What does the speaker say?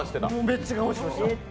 めっちゃ我慢してました。